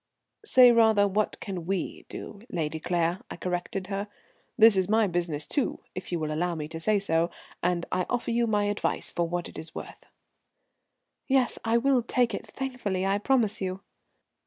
"Say, rather, what can we do, Lady Claire," I corrected her. "This is my business, too, if you will allow me to say so, and I offer you my advice for what it is worth." "Yes, I will take it thankfully, I promise you."